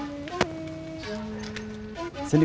masa dulu ya satu dua tiga